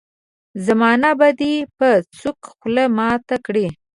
زمانه به دي په سوک خوله ماته کړي.